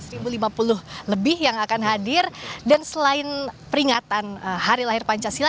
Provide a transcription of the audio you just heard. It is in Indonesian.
dua ribu lima puluh lebih yang akan hadir dan selain peringatan hari lahir pancasila